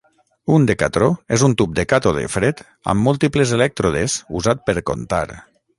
Un Decatró és un tub de càtode fred amb múltiples elèctrodes usat per contar.